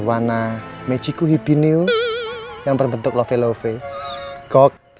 warna mechiko hibinew yang berbentuk love love kok